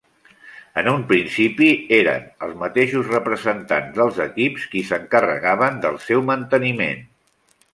En un principi eren els mateixos representants dels equips qui s'encarregaven del seu manteniment.